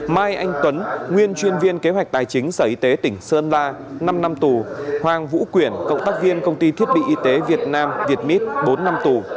mai anh tuấn nguyên chuyên viên kế hoạch tài chính sở y tế tỉnh sơn la năm năm tù hoàng vũ quyển cộng tác viên công ty thiết bị y tế việt nam việt mít bốn năm tù